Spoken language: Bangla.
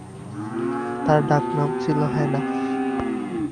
তার ডাকনাম ছিল হেনা।